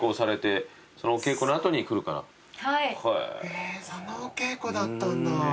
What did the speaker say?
へえそのお稽古だったんだ。